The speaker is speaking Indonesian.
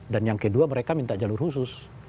dan yang kedua mereka minta jalur khusus